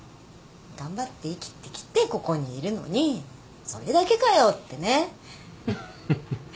頑張って生きてきてここにいるのにそれだけかよってね。フフッ。